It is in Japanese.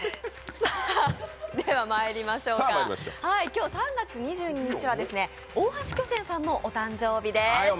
今日３月２２日は大橋巨泉さんのお誕生日です。